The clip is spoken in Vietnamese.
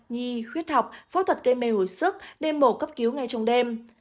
nhi huyết học phẫu thuật gây mê hồi sức để mổ cấp cứu ngay trong đêm